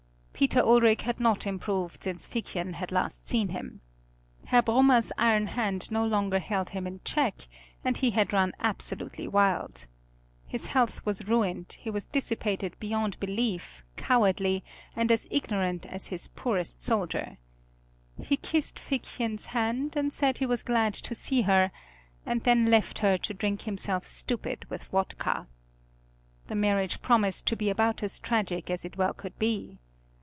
Peter Ulric had not improved since Figchen had last seen him. Herr Brummer's iron hand no longer held him in check, and he had run absolutely wild. His health was ruined, he was dissipated beyond belief, cowardly, and as ignorant as his poorest soldier. He kissed Figchen's hand, and said he was glad to see her, and then left her, to drink himself stupid with vodka. The marriage promised to be about as tragic as it well could be.